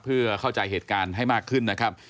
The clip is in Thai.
เพื่อเข้าใจเหตุการณ์ให้มากขึ้นนะครับ